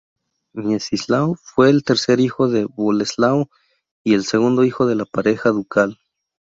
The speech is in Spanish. Miecislao fue el tercer hijo de Boleslao y el segundo de la pareja ducal.